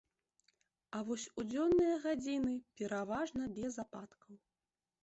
А вось у дзённыя гадзіны пераважна без ападкаў.